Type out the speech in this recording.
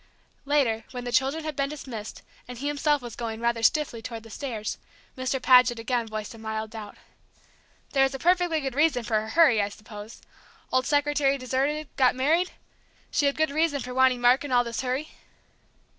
Later, when the children had been dismissed, and he himself was going, rather stiffly, toward the stairs, Mr. Paget again voiced a mild doubt. "There was a perfectly good reason for her hurry, I suppose? Old secretary deserted got married ? She had good reason for wanting Mark in all this hurry?"